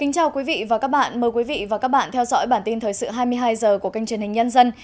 chào mừng quý vị đến với bản tin thời sự hai mươi hai h của kênh truyền hình nhân dân